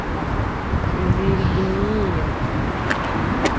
virginio